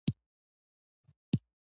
شېخ متي بابا زیارت په کلات کښي دﺉ.